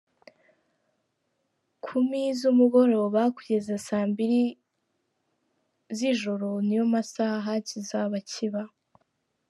kumi zumugoroba kugeza saa mbiri zijoro niyo masaha kizaba kiba.